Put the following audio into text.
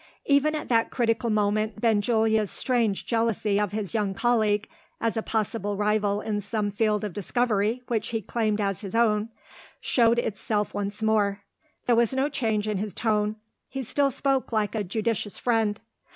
Even at that critical moment, Benjulia's strange jealousy of his young colleague as a possible rival in some field of discovery which he claimed as his own showed itself once more. There was no change in his tone; he still spoke like a judicious friend.